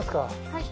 はい。